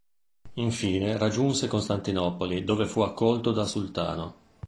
Infine raggiunse Costantinopoli dove fu accolto dal sultano.